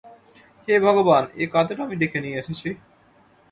হে ভগবান, এ কাদের আমি ডেকে নিয়ে এসেছি!